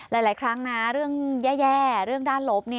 หลายครั้งนะเรื่องแย่เรื่องด้านลบ